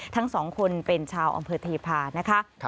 ทั้งสองคนเป็นชาวอำเภอเทพานะคะ